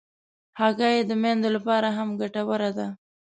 هګۍ د میندو لپاره هم ګټوره ده.